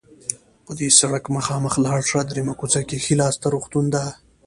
په دې سړک مخامخ لاړ شه، دریمه کوڅه کې ښي لاس ته روغتون ده.